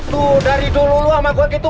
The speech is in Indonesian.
tuh dari dulu lu sama gue gitu